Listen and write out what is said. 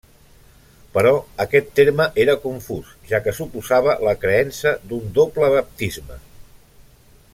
Però, aquest terme era confús, ja que suposava la creença d'un doble baptisme.